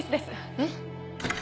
えっ？